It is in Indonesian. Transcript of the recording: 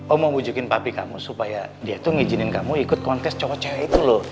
oh mau bujukin papi kamu supaya dia tuh ngizinin kamu ikut kontes cowok cowok itu loh